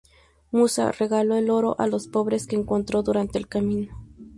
Musa regaló el oro a los pobres que encontró durante el camino.